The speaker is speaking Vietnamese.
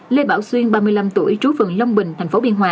lê bảo xuyên ba mươi năm tuổi trú phường long bình thành phố biên hòa